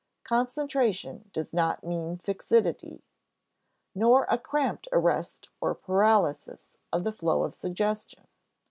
Concentration does not mean fixity, nor a cramped arrest or paralysis of the flow of suggestion.